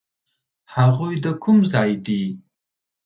هغوی د کوم ځای دي؟